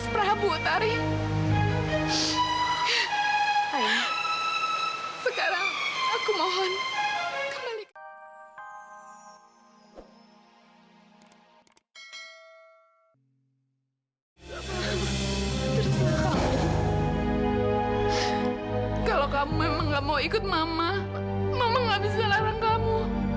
kalau kamu memang gak mau ikut mama mama gak bisa larang kamu